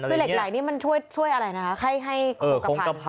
เหล็กไหล่นี่มันช่วยอะไรนะคะให้คงกระพัน